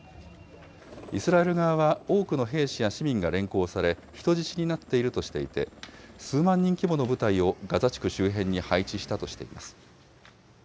イスラエル側は、多くの兵士や市民が連行され、人質になっているとしていて、数万人規模の部隊をガザ地区周辺に配置したとしています。